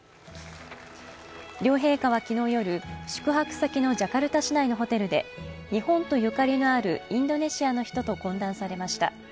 両陛下は昨日夜、宿泊先のジャカルタ市内のホテルで日本とゆかりのあるインドネシアの人と懇談されました。